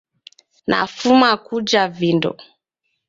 Nafuma kuja vindo